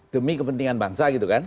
demi kepentingan bangsa gitu kan